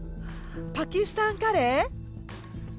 パキスタンカレー？